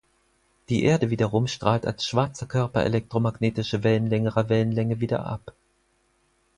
Die Erde wiederum strahlt als schwarzer Körper elektromagnetische Wellen längerer Wellenlänge wieder ab.